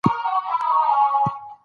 هغه وايي خوله کول طبیعي فعالیت دی.